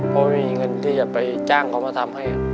เพราะไม่มีเงินที่จะไปจ้างเขามาทำให้